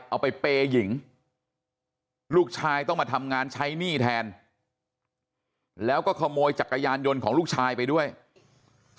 เอาไปเปย์หญิงลูกชายต้องมาทำงานใช้หนี้แทนแล้วก็ขโมยจักรยานยนต์ของลูกชายไปด้วย